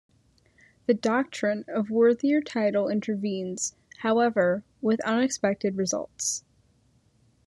The doctrine of worthier title intervenes, however, with unexpected results.